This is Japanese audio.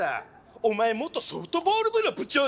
お前元ソフトボール部の部長だろうが！